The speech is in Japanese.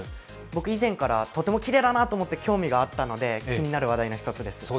僕以前からとてもきれいだなと思って興味があったので気になる話題の一つです。